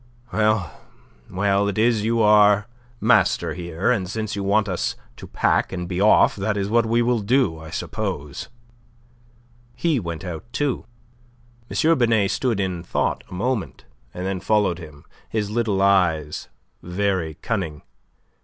Well, well, it is you are master here; and since you want us to pack and be off, that is what we will do, I suppose." He went out, too. M. Binet stood in thought a moment, then followed him, his little eyes very cunning.